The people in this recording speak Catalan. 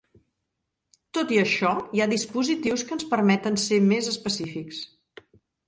Tot i això, hi ha dispositius que ens permeten ser més específics.